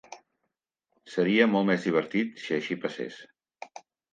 Seria molt més divertit si així passés.